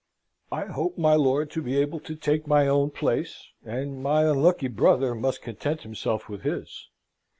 "I hope, my lord, to be able to take my own place, and my unlucky brother must content himself with his.